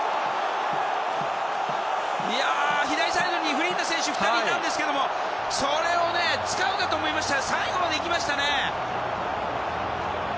左サイドにフリーな選手２人いたんですけどそれを使うかと思いましたら最後まで行きましたね。